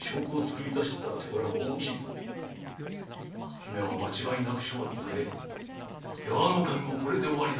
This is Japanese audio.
姫は間違いなく処罰され出羽守もこれで終りだ。